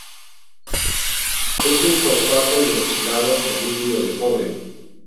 Es un fosfato hidroxilado y anhidro de cobre.